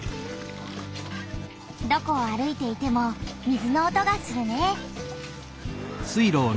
どこを歩いていても水の音がするね！